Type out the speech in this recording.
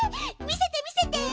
見せて見せて！